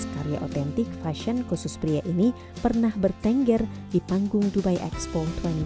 karya otentik fashion khusus pria ini pernah bertengger di panggung dubai expo dua ribu dua puluh